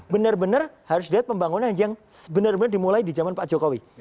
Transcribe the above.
benar benar harus dilihat pembangunan yang benar benar dimulai di zaman pak jokowi